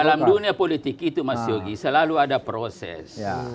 dalam dunia politik itu mas yogi selalu ada proses